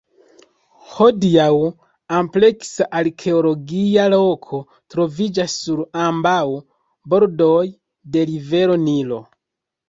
Hodiaŭ ampleksa arkeologia loko troviĝas sur ambaŭ bordoj de rivero Nilo.